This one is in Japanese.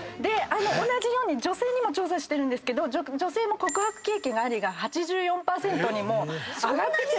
同じように女性にも調査してるんですけど告白経験ありが８４％に上がってきてどんどん。